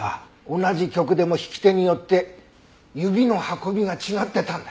同じ曲でも弾き手によって指の運びが違ってたんだ。